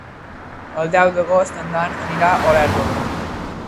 El deu d'agost en Dan anirà a Olèrdola.